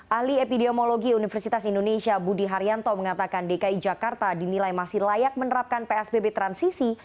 ahli epidemiologi universitas indonesia budi haryanto mengatakan dki jakarta dinilai masih layak menerapkan psbb transisi